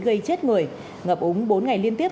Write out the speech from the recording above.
gây chết người ngập úng bốn ngày liên tiếp